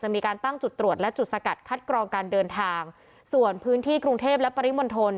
มีการตั้งจุดตรวจและจุดสกัดคัดกรองการเดินทางส่วนพื้นที่กรุงเทพและปริมณฑล